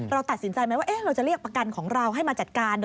เราตัดสินใจไหมว่าเราจะเรียกประกันของเราให้มาจัดการ